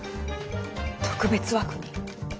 特別枠に。